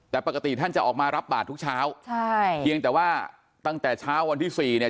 แต่ปกติท่านจะออกมารับบาททุกเช้าใช่เพียงแต่ว่าตั้งแต่เช้าวันที่สี่เนี่ย